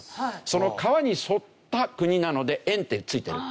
その川に沿った国なので「沿」って付いてる。